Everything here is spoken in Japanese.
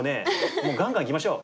もうガンガンいきましょう。